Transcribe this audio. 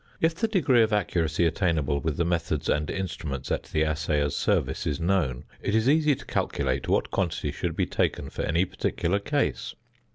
If the degree of accuracy attainable with the methods and instruments at the assayer's service is known, it is easy to calculate what quantity should be taken for any particular case.